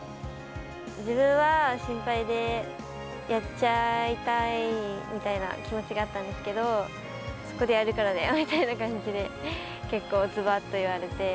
自分は心配で、やっちゃいたいみたいな気持ちがあったんですけど、そこでやるからだよって感じで、結構ずばっと言われて。